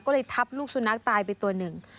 ก็เลยทับลูกสุนัขตายไปตัวหนึ่ง